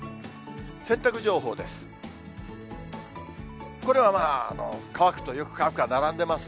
洗濯情報です。